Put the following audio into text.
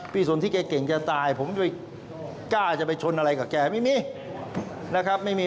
พี่สนธิเก่งจะตายผมกล้าจะไปชนอะไรกับแกไม่มี